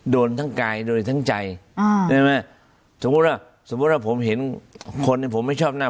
โดนทั้งกายโดนทั้งใจสมมุติว่าผมเห็นคนผมไม่ชอบหน้า